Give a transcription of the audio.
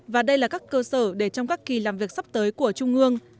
và đây là các cơ sở để trong các kỳ làm việc sắp tới của trung ương